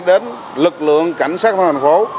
đến lực lượng cảnh sát thành phố